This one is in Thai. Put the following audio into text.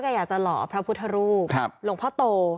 ก็อยากจะหล่อพระพุทธรูปหลวงพ่อโต